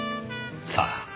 さあ？